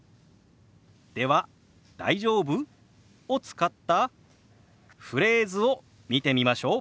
では「大丈夫？」を使ったフレーズを見てみましょう。